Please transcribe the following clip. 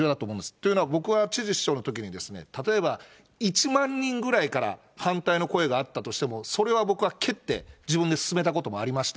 というのは、僕は知事、市長のときに例えば１万人ぐらいから反対の声があったとしても、それは僕は蹴って、自分で進めたこともありました。